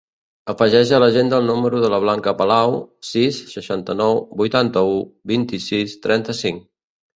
Afegeix a l'agenda el número de la Blanca Palau: sis, seixanta-nou, vuitanta-u, vint-i-sis, trenta-cinc.